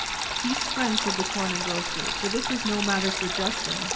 "Peace, friend," said the Corn Engrosser, "for this is no matter for jesting.